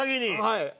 はい。